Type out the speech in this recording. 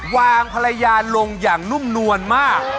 วางภรรยาลงอย่างนุ่มนวลมาก